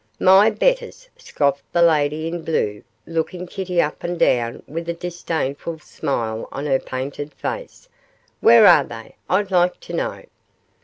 'My betters,' scoffed the lady in blue, looking Kitty up and down with a disdainful smile on her painted face; 'where are they, I'd like to know?